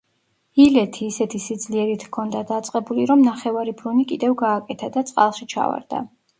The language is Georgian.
ილეთი ისეთი სიძლიერით ჰქონდა დაწყებული, რომ ნახევარი ბრუნი კიდევ გააკეთა და წყალში ჩავარდა.